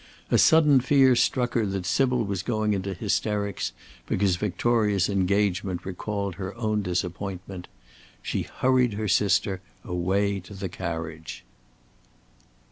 A sudden fear struck her that Sybil was going into hysterics because Victoria's engagement recalled her own disappointment. She hurried her sister away to the carriage.